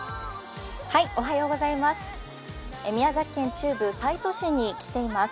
宮崎県中部、西都市に来ています。